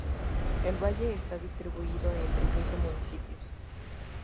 El valle está distribuido entre cinco municipios.